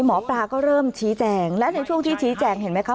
หมอปลาก็เริ่มชี้แจงและในช่วงที่ชี้แจงเห็นไหมคะ